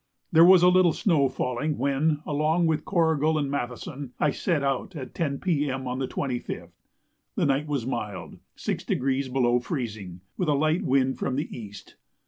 There was a little snow falling when, along with Corrigal and Matheson, I set out at 10 P.M. on the 25th. The night was mild (6° below freezing) with a light wind from the east.